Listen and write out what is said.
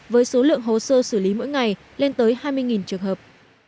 với số lượng hồ sơ xử lý mỗi ngày lên tới hai mươi trường hợp